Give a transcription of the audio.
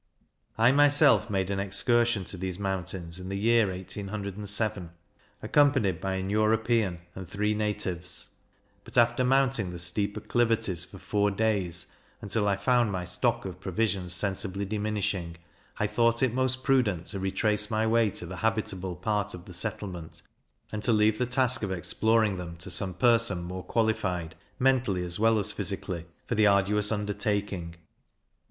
I myself made an excursion to these mountains, in the year 1807, accompanied by an European and three natives; but after mounting the steep acclivities for four days, until I found my stock of provisions sensibly diminishing, I thought it most prudent to re trace my way to the habitable part of the settlement, and to leave the task of exploring them to some person more qualified, mentally as well as physically, for the arduous undertaking.